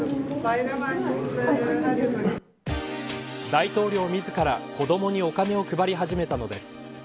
大統領自ら子どもにお金を配り始めたのです。